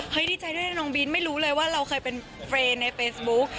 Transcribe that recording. เฮ้ยดีใจด้วยนะน้องบินไม่รู้เลยว่าเราเคยเป็นเฟซบุ๊ค